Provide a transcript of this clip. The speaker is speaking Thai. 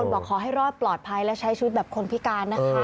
บางคนบอกขอให้รอดปลอดภัยและใช้ชุดแบบคนพิการนะคะเออ